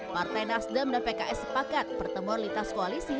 partai nasdem dan pks sepakat pertemuan lintas koalisi